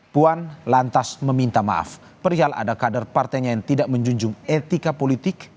puan lantas meminta maaf perihal ada kader partainya yang tidak menjunjung etika politik